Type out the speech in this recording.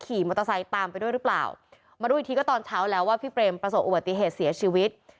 ขี่มอเตอร์ไซค์ตามไปด้วยหรือเปล่ามารู้อีกทีก็ตอนเช้าแล้วว่าพี่เปรมประสบอุบัติเหตุเสียชีวิต